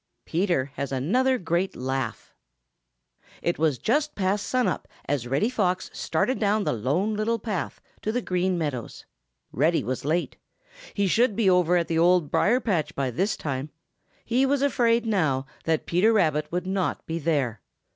X. PETER HAS ANOTHER GREAT LAUGH |IT was just sun up as Reddy Fox started down the Lone Little Path to the Green Meadows. Reddy was late. He should be over at the Old Briar patch by this time. He was afraid now that Peter Rabbit would not be there.